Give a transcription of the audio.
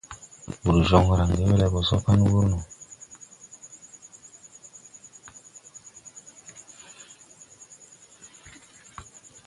Wur jon range we le go so pan wur no.